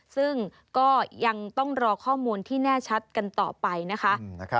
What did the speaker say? ซึ่งก็ยังต้องรอข้อมูลที่แน่ชัดกันต่อไปนะคะ